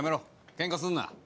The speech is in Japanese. ケンカすんな。